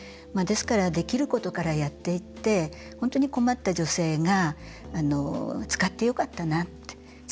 ですから、できることからやっていって本当に困った女性が使ってよかったなって。